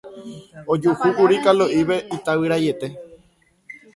Ojuhúkuri Kalo'ípe itavyraiete.